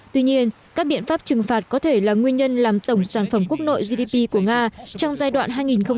tuy nhiên các biện pháp trừng phạt có thể là nguyên nhân làm tổng sản phẩm quốc nội gdp của nga trong giai đoạn hai nghìn một mươi sáu hai nghìn hai mươi